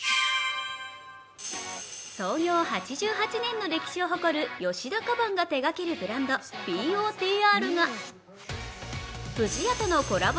創業８８年の歴史を誇る吉田カバンが手がけるブランド、ＰＯＴＲが不二家とのコラボ